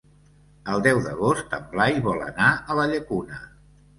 El deu d'agost en Blai vol anar a la Llacuna.